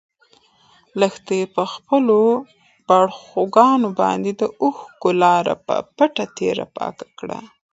لښتې په خپلو باړخوګانو باندې د اوښکو لاره په پټه تېره پاکه کړه.